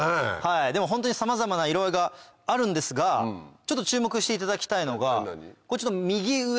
でもホントにさまざまな色合いがあるんですがちょっと注目していただきたいのが右上